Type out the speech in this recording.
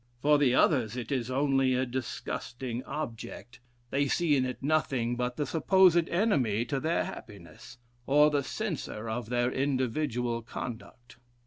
For the others, it is only a disgusting object; they see in it nothing but the supposed enemy to their happiness, or the censor of their individual conduct."